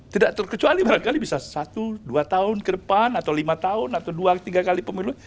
tidak terkecuali barangkali bisa satu dua tahun ke depan atau lima tahun atau dua tiga kali pemilu